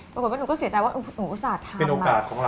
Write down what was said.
ปรากฏว่าหนูก็เสียใจว่าหนูอุตส่าห์ทำ